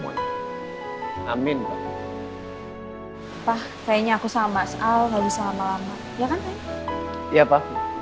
ya kan boleh